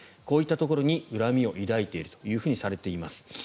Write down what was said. こういったところに恨みを抱いているとされています。